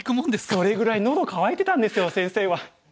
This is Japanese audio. それぐらいのど渇いてたんですよ先生は。